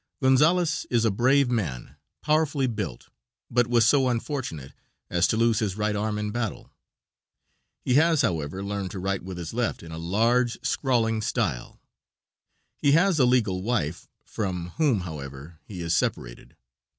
Gonzales is a brave man, powerfully built, but was so unfortunate as to lose his right arm in battle. He has, however, learned to write with his left in a large, scrawling style. He has a legal wife, from whom, however, he is separated.